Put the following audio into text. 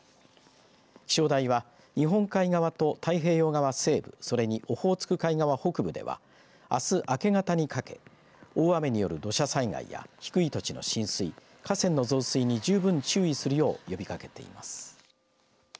気象台は日本海側と太平洋側西部それにオホーツク海側北部ではあす明け方にかけ大雨による土砂災害や低い土地の浸水河川の増水に十分注意するよう呼びかけています。